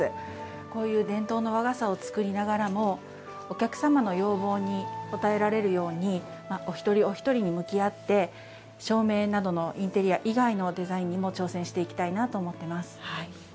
こういう伝統の和傘を作りながらもお客様の要望に応えられるようにお一人お一人に向き合って照明などのインテリア以外のデザインにも挑戦していきたいなと思っています。